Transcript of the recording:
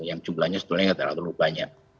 yang jumlahnya sebenarnya tidak terlalu banyak